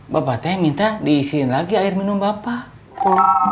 bapak teh minta diisiin lagi air minum bapak